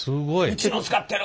「うちの使ってる！」